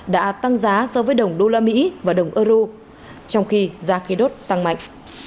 đã tăng giá so với đồng usd và đồng eur trong khi giá khí đốt tăng mạnh